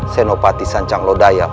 senopati sancang lodaya